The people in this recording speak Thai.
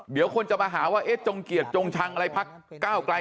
เดี๋ยวคนจะมาหาว่าเอ๊ะจงเกียจจงชังอะไรพักก้าวไกล